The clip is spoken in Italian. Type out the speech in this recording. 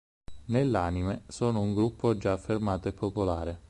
Nell'anime, sono un gruppo già affermato e popolare.